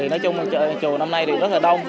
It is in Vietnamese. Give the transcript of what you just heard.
nói chung là chùa năm nay rất là đông